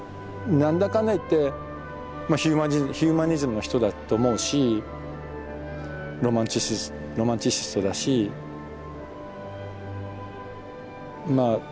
何だかんだ言ってまあヒューマニズムの人だと思うしロマンチシストだしまあ